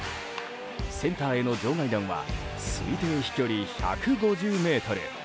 センターへの場外弾は推定飛距離１５０ｍ。